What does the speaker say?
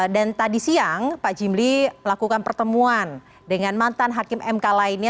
dan tadi siang pak jimli melakukan pertemuan dengan mantan hakim mk lainnya